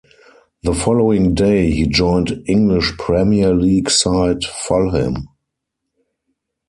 The following day, he joined English Premier League side Fulham.